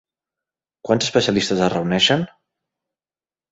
Quants especialistes es reuneixen?